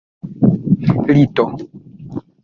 lito